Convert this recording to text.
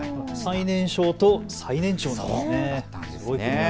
最年少と最年長だったんですね。